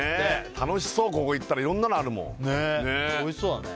楽しそうここ行ったらいろんなのあるもんねっおいしそうだね